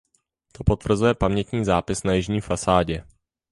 To potvrzuje pamětní zápis na jižní fasádě.